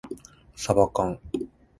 さばかん